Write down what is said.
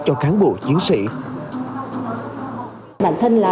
cho khán giả của các em